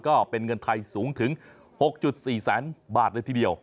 ก็เป็นเงินไทยสูงถึง๖๔แสนบาทเลยทีเดียว